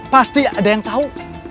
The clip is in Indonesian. pasti ada yang tahu